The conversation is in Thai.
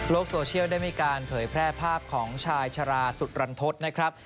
โซเชียลได้มีการเผยแพร่ภาพของชายชะลาสุดรันทศนะครับ